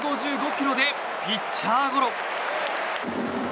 １５５キロで、ピッチャーゴロ。